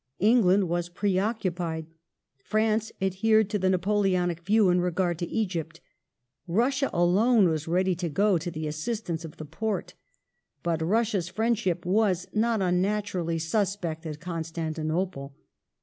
England was pre occupied. France adhered to the Napoleonic view in regard to Egypt. Russia alone was ready to go to the assistance of the Porte. But Russia's friendship was, not unnaturally, suspect at Constantinople.